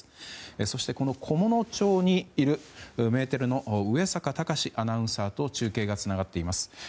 そして、菰野町にいるメテレの上坂嵩アナウンサーと中継がつながっています。